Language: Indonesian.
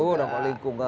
oh dampak lingkungan